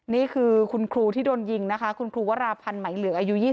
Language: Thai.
นี่คือคุณครูที่โดนยิงนะคะคุณครูวราพันธ์ไหมเหลืองอายุ๒๒